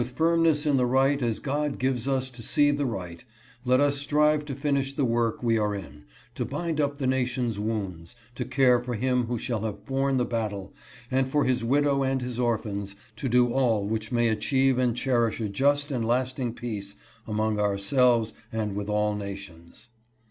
firmness in the right as God gives us to see the right, let us strive to finish the work we are in, to bind up the nation's wounds, to care for him who shall have borne the battle, and for his widow and his orphans, to do all which may achieve and cherish a just and lasting peace among ourselves and with all nations."